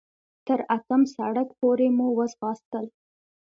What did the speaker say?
تر اتم سړک پورې مو وځغاستل.